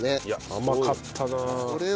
いや甘かったなあ。